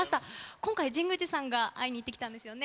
今回、神宮寺さんが会いに行ってきたんですよね。